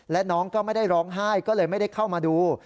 และน้องก็ไม่ได้ร้องไห้ก็เลยไม่ได้เข้ามาดู